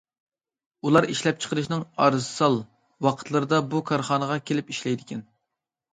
ئۇلار ئىشلەپچىقىرىشنىڭ ئارىسال ۋاقىتلىرىدا بۇ كارخانىغا كېلىپ ئىشلەيدىكەن.